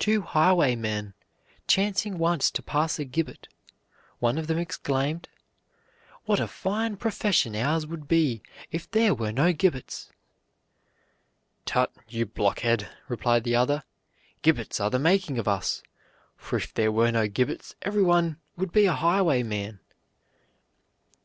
Two highwaymen chancing once to pass a gibbet, one of them exclaimed: "What a fine profession ours would be if there were no gibbets!" "Tut, you blockhead," replied the other, "gibbets are the making of us; for, if there were no gibbets, every one would be a highwayman."